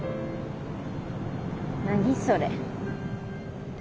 何それ？